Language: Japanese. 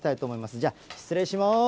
じゃあ、失礼します。